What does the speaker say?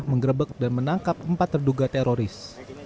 mengerebek dan menangkap empat terduga teroris